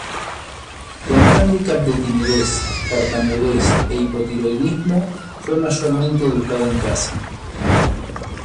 Con handicap de timidez, tartamudez, e hipotiroidismo, fue mayormente educada en casa.